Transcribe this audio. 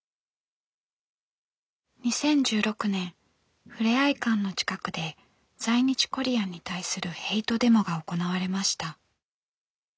２０１６年ふれあい館の近くで在日コリアンに対するヘイトデモが行われました。